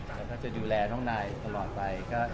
แล้วก็จะดูแลน้องนายตลอดไป